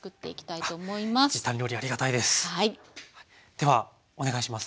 ではお願いします。